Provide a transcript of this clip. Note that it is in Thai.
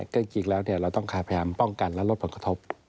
ก็จริงแล้วเราต้องพยายามป้องกันและลดผลกระทบ